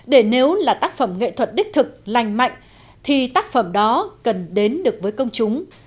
để nếu là tác phẩm nghệ thuật đích thực lành mạnh thì tác phẩm đó cần đến được với công chúng